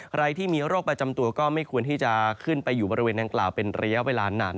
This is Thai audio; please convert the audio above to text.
ใครที่มีโรคประจำตัวก็ไม่ควรที่จะขึ้นไปอยู่บริเวณดังกล่าวเป็นระยะเวลานาน